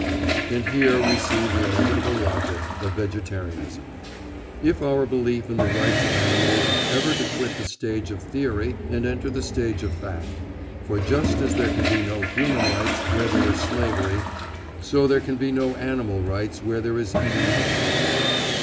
And here we see the inevitable logic of vegetarianism, if our belief in the rights of animals is ever to quit the stage of theory and enter the stage of fact; for just as there can be no human rights where there is slavery, so there can be no animal rights where there is eating of flesh.